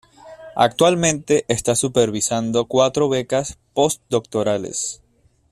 Actualmente está supervisando cuatro becas postdoctorales.